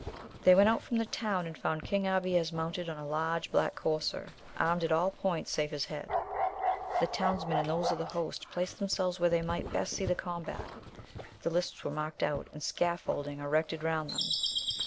They went out from the town, and found King Abies mounted on a large black courser, armed at all points save his head. The townsmen and those of the host placed themselves where they might best see the combat. The lists were marked out, and scaffolding erected round them.